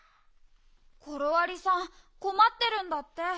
コロありさんこまってるんだって。